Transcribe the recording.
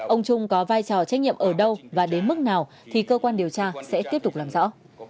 ông trung có vai trò trách nhiệm ở đâu và đến mức nào thì cơ quan điều tra sẽ tiếp tục làm rõ